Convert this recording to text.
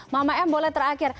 mama m boleh terakhir